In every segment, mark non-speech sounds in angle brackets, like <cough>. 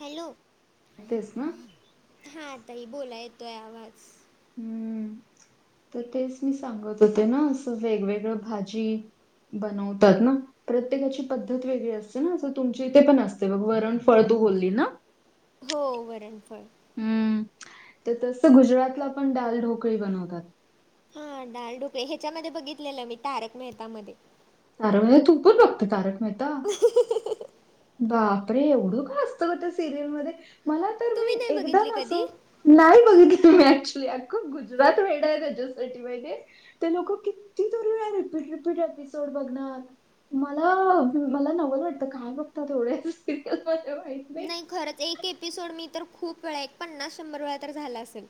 Hello. तेच ना. हा ताई बोला, येतोय आवाज. हम्म तर तेच मी सांगत होते ना, असं वेगवेगळं भाजी बनवतात ना. प्रत्येकाची पद्धत वेगळी असते ना, असं तुमची इथे पण असते बघ, वरण फळ तू बोलली ना? हो वरणफळ. उं तर तस, गुजरातला पण डालढोकळी बनवतात. हा डाल ढोकळे ह्याच्यामध्ये बघितलेलं मी तारक मेहता मध्ये. तारक मेहता तू पण बघत तारक मेहता बा. अरे एवढं का असतं ग त्या सिरियल मध्ये मला तर मी तुम्ही नाही एकदा बघितली ना कधी असं. नाही बघित तुम्ही ऍक्चुली अख्ख गुजरात वेडय त्याच्यासाठी महि- ते लोक किती तरी रिपीट रिपीट एपिसोड बघणार. मला मला नवंल वाटतं काय बघत तेवढ्या सिरियलमध्येध्ये माहित नाही. खरंच एक एपिसोड मी तर खूप वेळा एक पन्नास शंभर वेळा तर झाला असेल.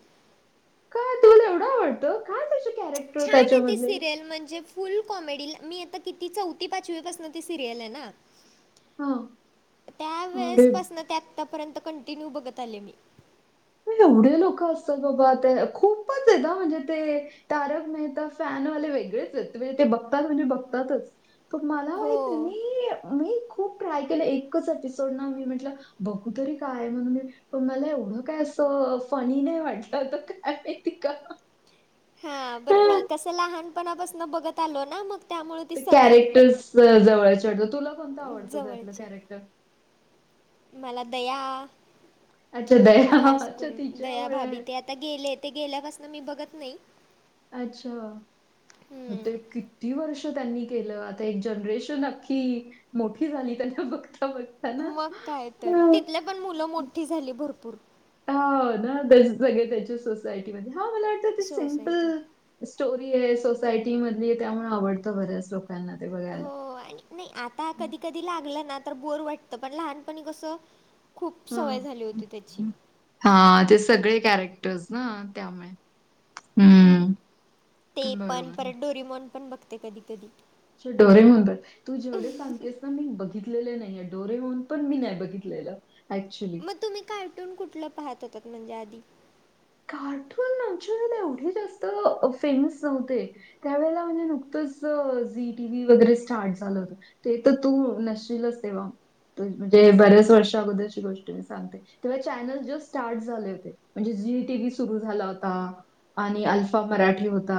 का तुला एवढं आवडतं कायु कॅरेक्टर. छान आहे त त्याच्यामधले सिरियल म्हणजे. फुल कॉमेडीला, मी आता किती चौथी पाचवीपासून ती सिरियल आहे ना. हा त्यावेेळेसपासन ते आतापर्यंत कंटिन्यू बघत आले मी. एवढे लोक असतात बाबा ते खूपच आहेत ना म्हणजे ते. तारक मेहता फॅनवाले वेगळेच आहेत, ते बघतात म्हणजे बघतातच. पण मला माहित हो तुम्ही म मी. खूप ट्राय केलं एकच एपिसोड ना मी म्हटलं बघू तरी काय म्हणून मी पण मला एवढं काय अस. तो फनी नाही वाटला, अता का माहीती का. हा बरं नाही कसं लहानपणापासून बघत आलो ना मग. त्यामुळे ती ते सवय कॅरेक्टरस जवळच्या वाटतं, तुला कोणतं आवडतं त्यातलं जवळची कॅरेक्टर? मला दया अच्छा दया खास अच्छा करून दया तिच्यामुळे भाभी त्यात. आता गेले ते गेल्यापासून मी बघत नाही. अच्छा! मग हम्म, ते किती वर्ष त्यांनी केलं, आता एक जनरेशन अख्खी. मोठी झाली त्यांना बघता बघता. ना. मग काय तर तिथले पण मुलं मोठी झाली भरपूर. हा ना त्या सगळे त्याच्या सोसायटीमध्ये हा मला वाटतं ते सोसायटी सिम्पल. स्टोरी आहे सोसायटी मधली, त्यामुळे आवडतं बऱ्याच लोकांना. प ते. <inaudible> हो आणि नाही आता कधी कधी लागलं ना तर बोर वाटत पण लहानपणी कसं. खूप सवय झाली होती त्याची. हा ते सगळे कॅरेक्टर्स ना त्यामुळे हम्म. ते पण बरोबर. परत डोरीमॉन पण बघते कधी कधी. अछा डोरेमॉन म्हनतात, तू जेवढे सांगतेस ना मी बघितलेले नाहीे डोरेमॉन पण मी नाही बघितलेले. अक्चुली. मग तुम्ही कार्टून कुठलं पाहत होतात म्हणजे आधी. कार्टून अॅचुरल एवढे जास्त फेमस नव्हते. त्यावेेळेला म्हणजे नुकतंच झी टी व्ही वगैरे स्टार्ट झालं होत. ते तर तू नशीलच तेव्हा, म्हणजे बऱ्याच वर्षा अगोदर गोष्टी मी- ते्हा चॅनल जस्ट सार्ट झाले होते, म्हणजे झी टी व्ही सुरू झाला होता. आणि अल्फा मराठी होता.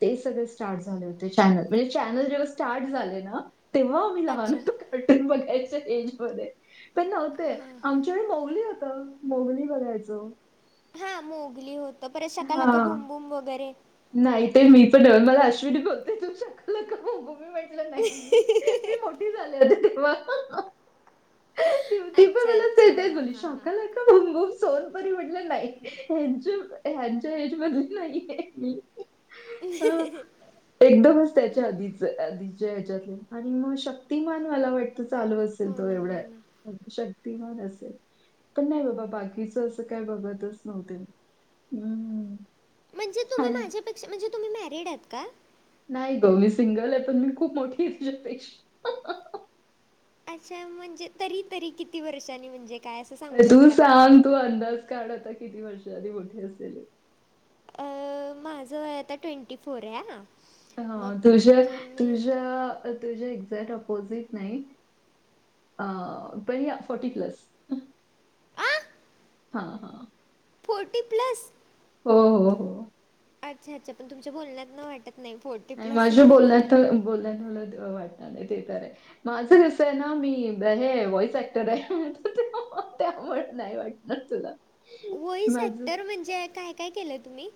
ते सगळे स्टार्ट झाले होते चॅनल, म्हणजे चॅनल जेव्हा स्टार्ट झाले ना. तेव्हा मी लहान अच्छा होतो, कार्टून बघायच्या एज मध्ये पण- ते आमच्या वेळी मौली होता मौली बघायचं. हा मोघली होत परत शकालाका हा भूमबूम वगैरे. नाही ते मी पण मला अश्विनी बोलते तू शकालाका बुमबुम म्हटलं नाही. म मी मोठी झाली होते तेव्हा. ती अच्छा अच्छा पण हां मला हां हां शॉकाला. <inaudible> म सोनपरी म्हटलं नाही ह ह्यांच्या एजमधली नाही. मी. अ, ह्. एकदमच त्याच्या आधीच आधीचे ह्याच्यातले आणि मग शक्तिमान मला वाटत. चालू असेल हो तो ना हो ना एवढातं. शक्तिमान असेल पण नाही बाबा बाकीच असं काय बघतच नव्हते. हम्म, म्हणजे? का. च्या पेक्षा तुम्ही मॅरीड आहात का? नाही गौरी सिंगल आहे पण मी खूप मोठी तुझ्या पेक्षा. असं म्हणजे तरी - तरी किती वर्षांनी म्हणजे? काय असं सांगू अ तू शकता का सांग तू अंदाज काढ आता किती वर्ष आधी मोठे असेल. अं, माझं आता ट्वेंटी फोर आहे. मग हा तुझ्या- तुम्ही तुझ्या- तुझ्या - जरा अपोटीच नाही अ फोर्टी प्लस. आं. हा हा. Forty plus? हो- हो- हो. अच्छा अच्छा पण तुमच्या बोलण्यातत ना वाटत नाही फोर्टि. नाही माझ्या बोलण्यात - बोलण्यात मला वाटणार नाही ते तर आहे. माझं कसं आहे ना मी हे वॉइस ऍक्टर आहे त्यामुळे नाही वाटत. धर तला. वई सॅक्टर म्हणजे काय काय केलं तुम्ही?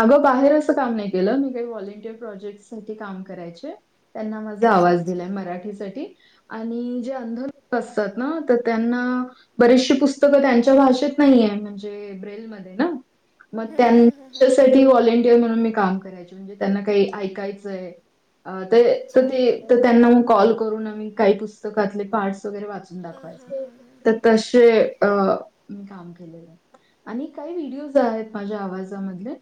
अगं बाहेर असं काम नाही केलं मी काही व्हॉलेंटियर प्रोजेक्टसाठी काम करायचे. त्यांना माझा अच्छा आवाज अच्छा दिलाय मराठीसाठी. आणि जे अंध लोक असतात ना त्यांना - बरीचशी पुस्तकं त्यांच्या भाषेत नाही आहे म्हणजे ब्रेलमध्ये ना मग हां त्यां. हां हां हां व्हॉंटियर म्हणून मी काम करायचे म्हणजे त्यांना काही ऐकायचंय. अ ते अच्छा तर ते त्यांना मग कॉल करून आम्ही काही पुस्तकातले पार्टस वगैरे वाचु - वाचून हां हां हां दाखवायचो. तशे काम केले आहे आणि काही व्हिडिओज आहेत माझ्या आवाज - आवाजा मधले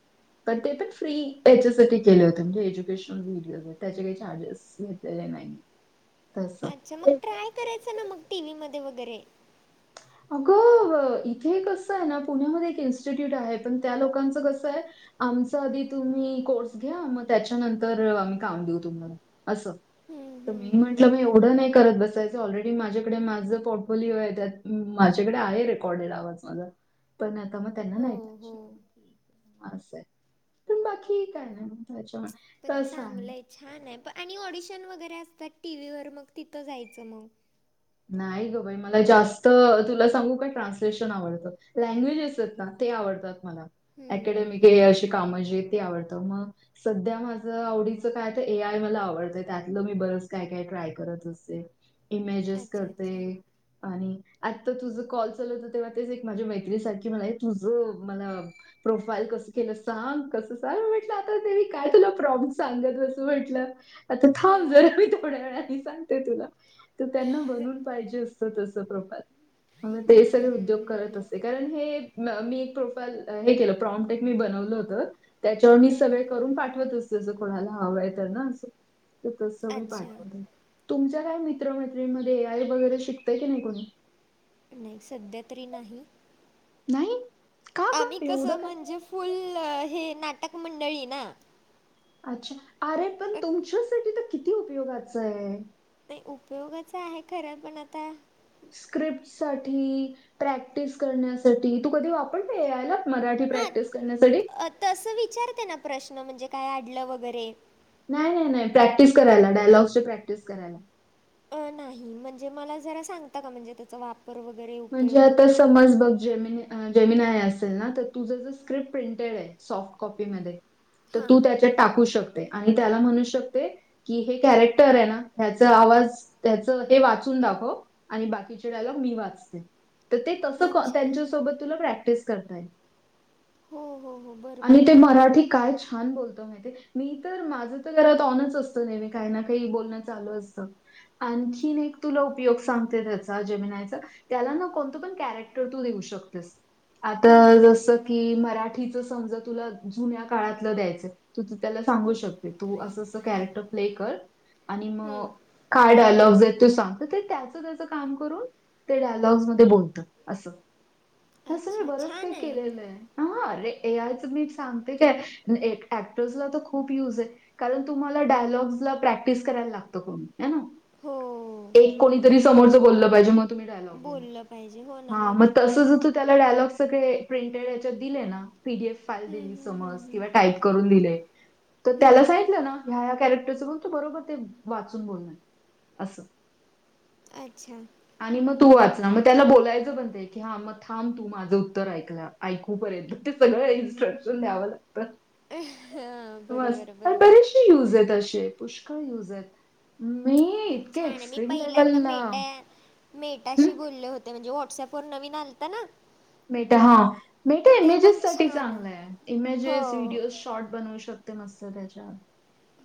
ते पण फ्री यांच्यासाठी केलत एज्युकेशन विडिओ त्याचे काही चार्जेस. घेतले नाही <inaudible> अच्छा मग ट्राय करायचं ना मग टीव्ही मध्ये वगैरे. अगं इथे कसं आहे ना पुण्यामध्ये एक इन्स्टिट्यूट आहे पण त्या लोकांचं कसं आहे. आमच आधी तुम्ही कोर्स घ्या मग त्याच्यानंतर आम्ही कामं देऊ तुम्हाला. असं. हम्म, तर हम्म, मी हम्म, म्हटलं म हम्म. एवढं नाही करत बसायचं ऑलरेडी माझ्याकडे माझं पोर्टफोलिओ आहे त्यातं. माझ्याकडे आहे रेकॉर्डेड आवाज माझा पण आता मग त्यांना हो नाही पाहिजे. हो असं आहे पण बाकी काय नाही. त्याच्यामुळे पण तसं चांगलं आहे. छान आहे प आणि ऑडिशन वगैरे असतात टीहीं वर मग तिथं जायचं मग. नाही ग बाई मला जास्त तुला सांगू काय ट्रान्सलेशन आवडतं लँग्वेजेस आहेत ना ते आवडतात मला अकडेमिक हम्म हे अशी कामं जे ते आवडतं मग सध्या माझ आवडीचं काय तर ए आय मला आवडतंय त्यातलं मी बरंच काय काय ट्राय करत असते इमेजेस अच्छा करते अच्छा आणि आत्ता तुझं कॉल चालवत तेव्हा तेच एक माझ्या मैत्रीसारखी मला तुझ मला प्रोफाईल कसं केलं सांग कसं सांग म्हटलं आता तरी काय तुला प्रॉब् सांगत बसू म्हटलं आता थांब हां जरा, मी थोड्या वेळाने सांगते तुला. तर त्यांना बनवून पाहिजे असं छोटंसं प्रभात, म्हणून ते हम्म सगळे हम्म उद्योग हम्म करत हम्म असते, कारण हे मी एक प्रोफाईल, हे एक प्रॉमटेक मी बनवलं होतं त्याच्यावर मी हम्म सगळे हम्म करून, पाठवत असते. जसं कोणाला हवं आहे त्यांना, असं तर तसं मी अच्छा पाठवलंय. तुमच्या काय मित्र-मैत्रीणींमध्ये ए आय वगैरे शिकतंय की नाही कोणी? नाही सध्या तरी नाही नाही का आम्ही गं एवढं कसं काय? म्हणजे, फुल हे नाटक मंडळी ना अच्छा, अरे पण तुमच्यासाठी तर किती उपयोगाचं आहे? नाही उपयोगाच आहे. खरं पण आता स्क्रिप्टसाठी प्रॅक्टिस करण्यासाठी? तू कधी वापरते, ए आय ला मराठी प्रॅक्टिस करण्यासाठी अ. तसं विचारते ना प्रश्न, म्हणजे काय अडलं वगैरे नाही.. नाही. नाही. प्रॅक्टिस करायला, डायलॉगची प्रॅक्टिस करायला अ. नाही. म्हणजे मला जरा सांगता का? म्हणजे त्याचा वापर पर वगैरे म्हणजे उपयोग आता समज, बघ जेमीनी आय, जेमीनी आय असेल ना, तर तुझं स्क्रिप्ट प्रिंटेड आहे, सॉफ्ट कॉपी मधे. तर हां तू त्याची ते टाकू शकते आणि त्याला म्हणू शकते की हे कॅरेक्टर आहे ना, ह्याचा आवाज त्याचं हे वाचून दाखवं आणि बाकीचे, डायलॉग मी वाचते तर ते तसं अच्छा त्यांच्यासोबत, तुला प्रॅक्टिस करता येईल हो हो हो बरं आणि बरं ते बरं मराठी, काय छान बोलते तूला माहितीए, मी तर माझं तर घरात ऑनच असतं. नेहमी काही ना काही, बोलणं चालू असतं आणखीन एक तुला उपयोग सांगते, त्याचा जेमीनाय चा त्याला ना, कोणतं पण कॅरेक्टर तू देऊ शकतेस. हम्म, आता हम्म, हम्म. जसं की मराठीचं समजा, तुला जुन्या काळातलं द्यायचंय तर तू त्याला सांगू शकते, तू असं-असं कॅरेक्टर प्ले कर आणि मग, हम्म. काय डायलाॅग्ज आहे ते सांग. तर त्याचं-त्याचं काम करून ते डायलॉग्स मध्ये बोलतात, असंं. मी अच्छा बरंच छान काही केलेलं आहे अ.. हा.. रे ए आय चं मी सांगते काय? ऍक्टर्सला तर खूप युज आहे कारण तुम्हाला, डायलॉग्सला प्रॅक्टिस करायला लागतं कोणी? हैं ना? हो... कोणी तरी समोरचं बोललं पाहिजे, मग तुम्ही डायलॉग बोलणार. बोललं पाहिजे हो ना हा, हो ना मग तसं जर त्याला, डायलॉग सगळे प्रिंटेड ह्याच्यात दिले ना पीडीएफ फाईल हम्म, दिली हम्म, हम्म, समज हम्म. किंवा टाईप करून दिले तर त्याला हम्म. सांगितलं ना, ह्या-ह्या कॅरेक्टरचं म्हण तू. बरोबर ते वाचून, बोलणार असं अच्छा! आणि मग तू नाही. वाच ना, मग त्याला बोलायचं पण ते की, हां मग थांब तू माझं उत्तर ऐकला ऐकूपर्यंत ते सगळं इन्स्ट्रक्शन द्यावं लागत. हां बरोबर आहे, मस्त बरोबर आहे बरेचसे युज आहेत अशे, पुष्कळ युज आहेत. मी पण इतक्या छान आहे. मी एक्स्ट्रीम पहिल्यांदा लेव्हलला मेटा आय हं, मेटाशी बोलले होते म्हणजे व्हाटसप वर नवीन आलतं ना. मेटा हा, मेटा ते पण इमेजेस साठी छान चांगलं आहे हाय. हो इमेजेस, व्हिडिओ शे शॉट बनवू शकते मस्त त्याच्यात,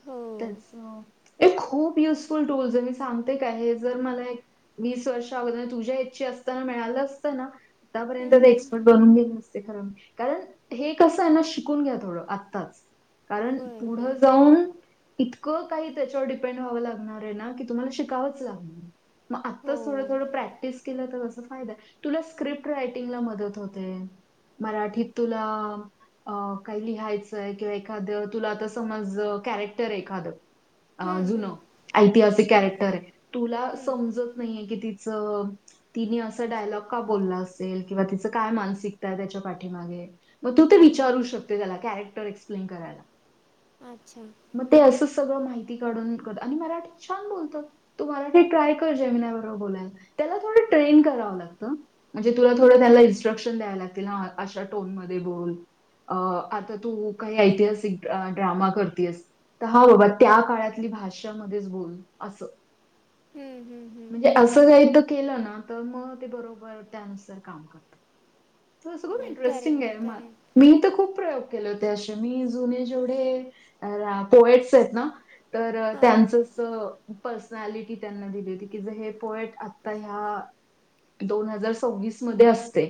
हो त्याचं हे खूप युजफुल टूल्स आहे मी सांगते का, हे जर मला एक वीस वर्षा अगोदर तुझ्या एजची असताना मिळालं असतं ना, आतापर्यंत हम्म, ते हम्म. एक्सपर्ट बनून गेलं असते. ते खरंय. कारण हे कसं आहे ना. शिकून घ्या थोडं आत्ताच. कारण, बरं पुढं बरं जाऊन इतकं काही त्याच्यावर डिपेंड व्हावं लागणार आहे ना, की, तुम्हाला शिकावंच लागणार आहे. मग हो आत्ताच थोडं-थोडं प्रॅक्टिस केलं, तर असं फायदा हाय. तुला स्क्रिप्ट राटिंगला मदत होते. मराठीत तुला अ, काही लिहायचंय किंवा एखादं तुला आता समज कॅरेक्टर आहे एखादं अ, हम्म, जुन हम्म, ऐतिहासिक हम्म, कॅरेक्टर आहे, तुला हम्म. समजत नाहीये की तिचं तिने असं डायलॉग का बोलला अस. ते किंवा की तिच, काय मानसिकता आहे त्याच्या पाठीमागे. मग तू ते हां विचारू हां शकते त्याला कॅरे एक्सप्लेन करायला. अच्छा. मग ते असं सगळं माहिती काढून कर आणि मराठीत छान बोलतात. तू मराठी ट्राय कर जेमीनाय बरोबर बोलायला, त्याला थोडं ट्रेन करावं लागतं. म्हणजे तुला थोडं -थोडं त्याला हम्म इन्स्ट्रक्शन द्याय लागतय ना हा, अशा टोन मध्ये बोल. अ, आता तू काही ऐतिहासिक ड्रामा करतेस. तर हा बाबा त्या काळातली भाषामध्येच बोल असं. हम्म, हम्म, हम्म. म्हणजे असं काही तर केलं ना, तर मग ते बरोबर त्याच काम. खूप नाही करेन इंटरेस्टिंग ना हाय करेन मी तर खूप प्रयोग केले होते, अशे मी जुने जेवढे पोएट्स आहेत ना. तर हां हां त्यांचंच. प्रसनॅलिटी त्यांना दिली होती. कि पोएम आता ह्या दोन हजार सव्वीस मध्ये असते,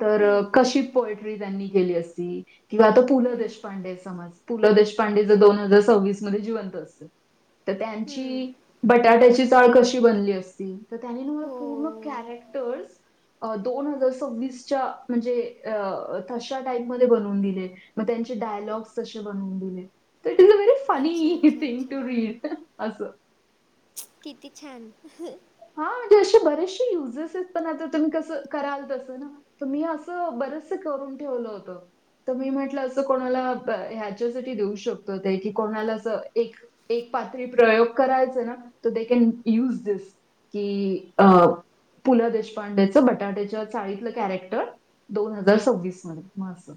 तर हम्म, कशी पोयट्री त्यांनी केली असती? किंवा आता पु ल हम्म, देशपांडे समज, पु ल देशपांडे जर दोन हजार सव्वीस मध्ये जिवंत असते. तर त्यांची हम्म. बटाट्याची चाळ कशी बनली असती, तर त्यानी मला हो पूर्ण कॅरेक्टर्स अ, दोन हजार सव्वीसच्या म्हणजे, अ तशा टाईम मध्ये बनवून दिले. मग त्यांचे डायलॉग्स तशे बनवून दिले, डिलेव्हरी अच्छा फनी अच्छा थिंग अच्छा टू रीड असं किती छान. हा म्हणजे असे बरेचसे युजेस आहेत, पण आता तुम्ही कसं कराल तसं ना. तर मी असं बरेचस करून ठेवलं होतं. तर मी म्हटलं असं कोणाला ह्याच्यासाठी देऊ शकतो ते की कोणाला असं एक एक पातळी प्रयोग करायचा ना, तो देकन युज दिस. की अं पु ल देशपांडेचं बटाट्याच्या चाळीतलं कॅरेक्ट, र दोन हजार सव्वीस मध्ये, म असं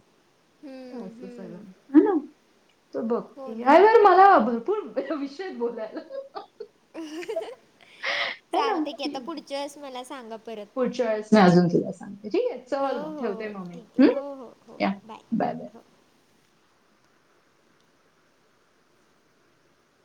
हम हे असं सगळ हे ना त बघ हो ना ह्या वेळी माला भरपूर विषयत बोलायला अं, हं, अं अं, हं, हं, है ना? चालते घी आता की पुढच्या वेलेस मला सांगा परत. पुढच्या वेळेस म अजून तुला सांगते ठीक आहे हो चल मग हो ठेवते मम्, ठीक मी आहे हो हो हो या बाय, बाय. हो